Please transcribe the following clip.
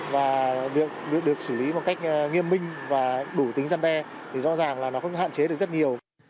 và việc được xử lý một cách nghiêm minh và đủ tính răn đe thì rõ ràng là nó không hạn chế được rất nhiều